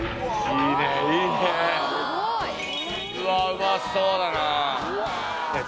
うわうまそうだないや